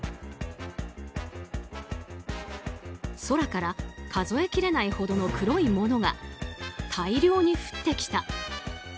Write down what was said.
空から数えきれないほどの黒いものが大量に降ってきた。